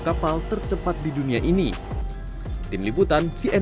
dan itu saja yang menarik terima kasih